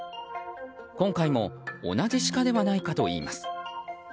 今回も同じシカではないかといいます。